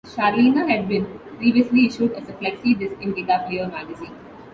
"Sharleena" had been previously issued as a flexi disc in "Guitar Player" magazine.